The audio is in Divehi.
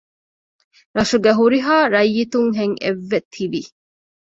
ރަށުގެ ހުރިހާ ރައްޔިތުންހެން އެއްވެ ތިވި